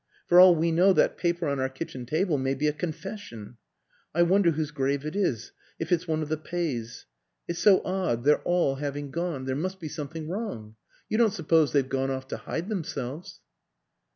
... For all we know, that paper on our kitchen table may be a confession. ... I wonder whose grave it is if it's one of the Pcys. It's so odd their all bar 72 WILLIAM AN ENGLISHMAN ing gone there must be something wrong. ... You don't suppose they've gone off to hide them selves?